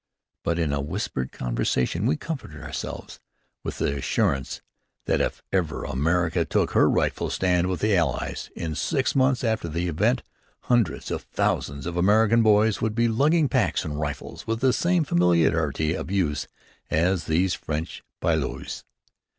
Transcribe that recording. But in a whispered conversation we comforted ourselves with the assurance that if ever America took her rightful stand with the Allies, in six months after the event, hundreds of thousands of American boys would be lugging packs and rifles with the same familiarity of use as these French poilus.